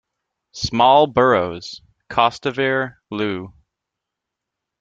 Small boroughs: Kostivere, Loo.